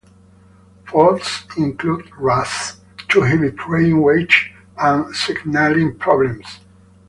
Faults included rust, too heavy train weight, and signaling problems.